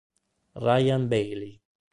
Ryan Bailey